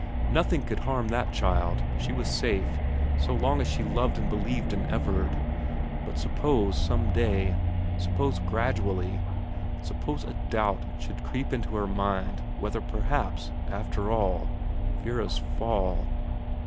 Nothing could harm that child, she was safe, so long as she loved and believed in Everard ; but suppose some day suppose gradually suppose a doubt should creep into her mind whether perhaps, after all, Vera's fall